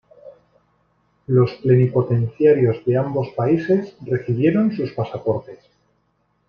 Los plenipotenciarios de ambos países recibieron sus pasaportes.